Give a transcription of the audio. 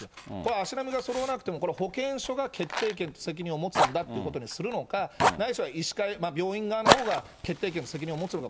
足並みがそろわなくてもこれ保健所が決定権、責任を持つんだということにするのか、ないしは医師会、対象側のほうが決定権と責任を持つのか。